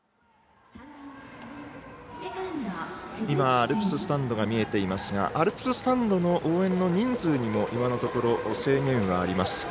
今、アルプススタンドが見えていますがアルプススタンドの応援の人数にも今のところ制限はあります。